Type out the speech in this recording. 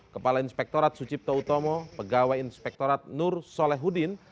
kepala inspektorat sucipto utomo pegawai inspektorat nur solehudin